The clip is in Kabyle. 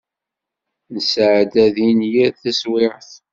Nesɛedda din yir taswiɛt.